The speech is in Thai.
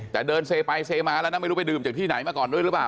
แต่เดินเซไปเซมาแล้วนะไม่รู้ไปดื่มจากที่ไหนมาก่อนด้วยหรือเปล่า